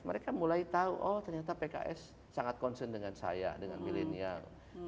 mereka mulai tahu oh ternyata pks sangat concern dengan saya dengan milenial